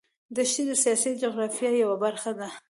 دښتې د سیاسي جغرافیه یوه برخه ده.